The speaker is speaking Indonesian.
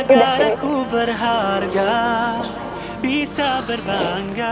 udah udah udah sini